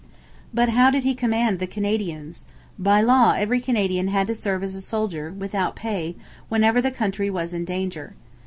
But how did he command the Canadians? By law every Canadian had to serve as a soldier, without pay, whenever the country was in danger.